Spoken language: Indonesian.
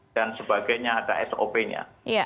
dan sebagainya ada sop nya